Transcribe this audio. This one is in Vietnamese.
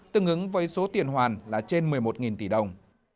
tương ứng với số tiền hoàn là trên một mươi một tỷ đồng